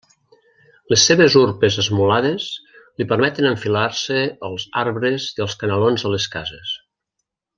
Les seves urpes esmolades li permeten enfilar-se als arbres i als canalons de les cases.